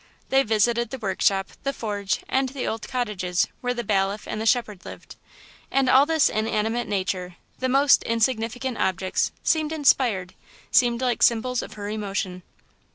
They visited the workshop, the forge, and the old cottages where the bailiff and the shepherd lived; and all this inanimate nature the most insignificant objects seemed inspired, seemed like symbols of her emotion.